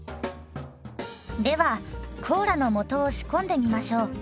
ではコーラの素を仕込んでみましょう。